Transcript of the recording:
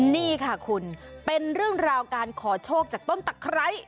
นี่ค่ะคุณเป็นเรื่องราวการขอโชคจากต้นตะไคร้